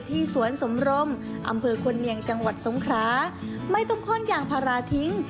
สวนสมรมอำเภอควรเนียงจังหวัดสงคราไม่ต้องค่นยางพาราทิ้ง